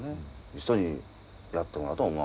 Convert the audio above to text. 人にやってもらおうとは思わんかったよね。